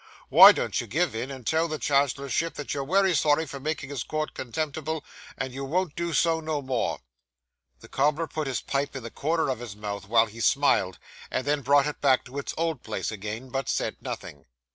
Wy don't you give in, and tell the Chancellorship that you're wery sorry for makin' his court contemptible, and you won't do so no more?' The cobbler put his pipe in the corner of his mouth, while he smiled, and then brought it back to its old place again; but said nothing.